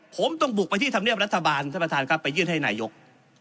ผมต้องบุกไปที่ธรรมเนียบรัฐบาลท่านประธานครับไปยื่นให้นายก